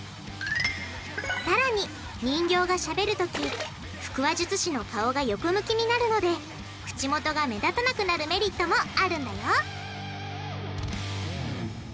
さらに人形がしゃべるとき腹話術師の顔が横向きになるので口元が目立たなくなるメリットもあるんだよ！